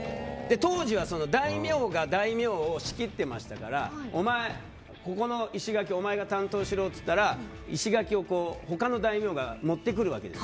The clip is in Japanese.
当時は大名が大名を仕切っていましたからお前、この石垣お前が担当しろって言ったら他の大名が持ってくるわけです。